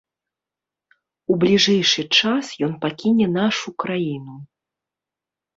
У бліжэйшы час ён пакіне нашу краіну.